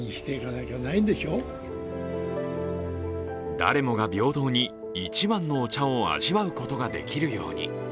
誰もが平等に一わんのお茶を味わうことができるように。